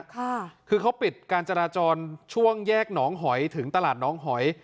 ค่ะคือเขาปิดการจราจรช่วงแยกหนองหอยถึงตลาดน้องหอย